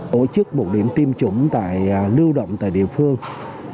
đồng thời một vài bệnh viện tuyến trùng ương cũng tăng cường nhân lực xuống tuyến phường xã